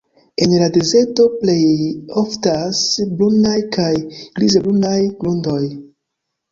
En la dezerto plej oftas brunaj kaj grize-brunaj grundoj.